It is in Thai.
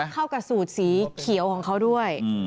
เข้ากับสูตรสีเขียวของเขาด้วย